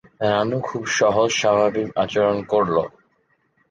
রানু খুব সহজ-স্বাভাবিক আচরণ করল।